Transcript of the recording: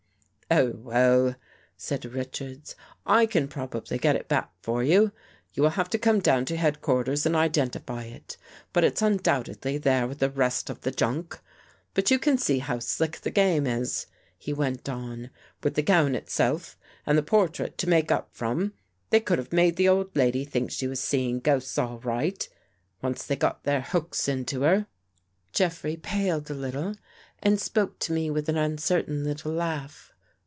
Oh, well," said Richards, " I can probably get it back for you. You will have to come down to headquarters and identify it. But it's undoubtedly there with the rest of the junk. But you can see how slick the game is," he went on. " With the gown itself, and the portrait to make up from, they could have made the old lady think she was seeing 84 THE FACE UNDER THE PAINT ghosts all right, once they got their hooks into her. Jeffrey paled a little and spoke to me with an uncertain little laugh.